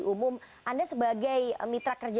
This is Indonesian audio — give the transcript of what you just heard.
umum anda sebagai mitra kerja